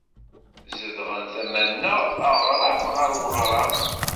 Zedɣen tama-nneɣ, aɣrab ɣer weɣrab.